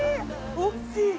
おっきい！